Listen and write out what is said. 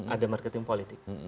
ada marketing politik